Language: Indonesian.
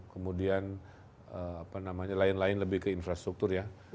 kemudian apa namanya lain lain lebih ke infrastruktur ya